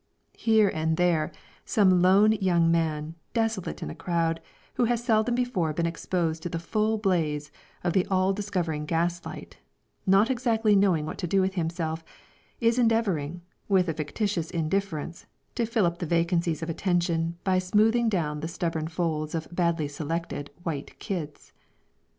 Here and there, some lone young man, desolate in a crowd, who has seldom before been exposed to the full blaze of the all discovering gas light, not exactly knowing what to do with himself, is endeavouring, with a fictitious indifference, to fill up the vacancies of attention by smoothing down the stubborn folds of badly selected white kids.